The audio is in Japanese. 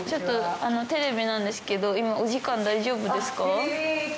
テレビなんですけどお時間大丈夫ですか？